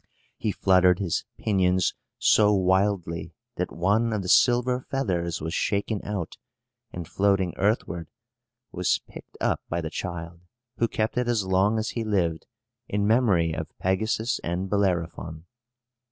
He fluttered his pinions so wildly that one of the silver feathers was shaken out, and floating earthward, was picked up by the child, who kept it as long as he lived, in memory of Pegasus and Bellerophon.